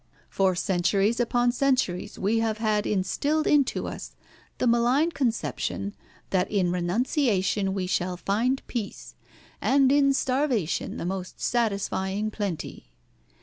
For centuries upon centuries we have had instilled into us the malign conception that in renunciation we shall find peace, and in starvation the most satisfying plenty.